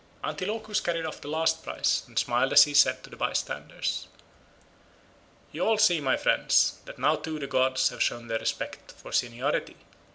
Antilochus carried off the last prize and smiled as he said to the bystanders, "You all see, my friends, that now too the gods have shown their respect for seniority.